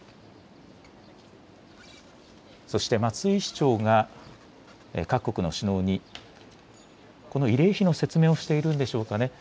そして松井市長が各国の首脳にこの慰霊碑の説明をしているんでしょうかね。